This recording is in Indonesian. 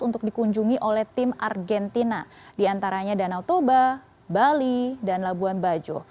untuk dikunjungi oleh tim argentina diantaranya danau toba bali dan labuan bajo